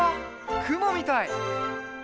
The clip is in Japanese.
くもみたい。